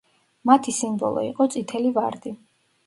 მათი სიმბოლო იყო წითელი ვარდი.